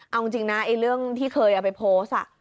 เอาจริงนะเรื่องที่เคยเอาไปโพสต์